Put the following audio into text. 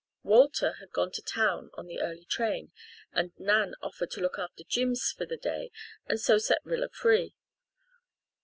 Walter had gone to town on the early train, and Nan offered to look after Jims for the day and so set Rilla free.